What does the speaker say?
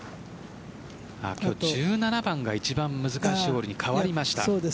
今日、１７番が一番難しいホールに変わりました。